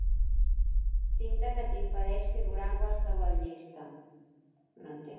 Cinta que t'impedeix figurar en qualsevol llista.